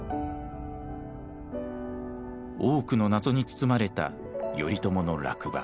多くの謎に包まれた頼朝の落馬。